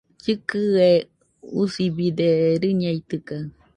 Llɨkɨe usibide, rɨñeitɨkaɨ